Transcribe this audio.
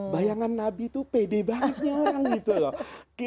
bayangan nabi itu pede bangetnya orang gitu loh